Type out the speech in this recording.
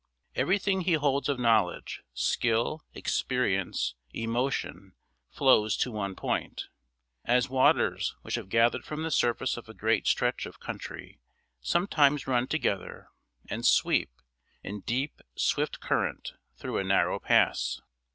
Everything he holds of knowledge, skill, experience, emotion flows to one point; as waters which have gathered from the surface of a great stretch of country sometimes run together and sweep, in deep, swift current, through a narrow pass.